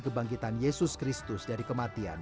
kebangkitan yesus kristus dari kematian